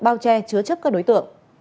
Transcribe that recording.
bao che chứa chấp các đối tượng